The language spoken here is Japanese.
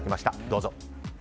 どうぞ。